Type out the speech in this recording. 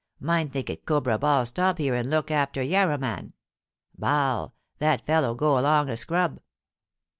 Mine think it Cobra Ball stop here and look after yarraman. Ba'al, that fellow go along a scrub.'